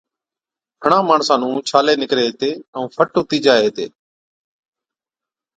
گھڻان ماڻسان نُون ڇالي نڪري هِتي ائُون فٽ هُتِي جائي هِتي۔